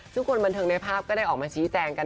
ซึ่งคนบันเทิงในภาพก็ได้ออกมาชี้แจงกัน